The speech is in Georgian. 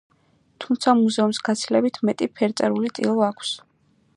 თუმცა მუზეუმს გაცილებით მეტი ფერწერული ტილო აქვს.